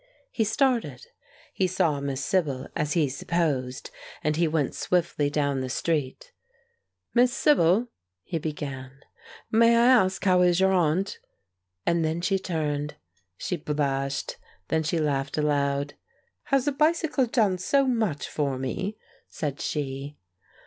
He started. He saw Miss Sibyl, as he supposed, and he went swiftly down the street. "Miss Sibyl!" he began, "may I ask how is your aunt?" and then she turned. She blushed, then she laughed aloud. "Has the bicycle done so much for me?" said she.